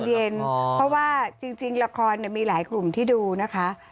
เพราะว่าจริงละครมีหลายกลุ่มที่ดูนะคะ